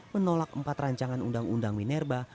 menolak empat rancangan undang undang minerba